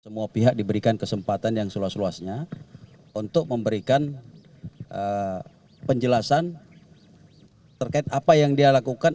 semua pihak diberikan kesempatan yang seluas luasnya untuk memberikan penjelasan terkait apa yang dia lakukan